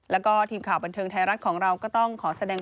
แล้วก็ทีมข่าวบันเทิงไทยรัฐของเราก็ต้องขอแสดง